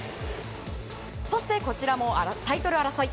そして、こちらもタイトル争い。